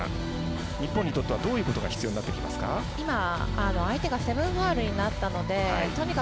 日本にとってはどういうことが必要になりますか？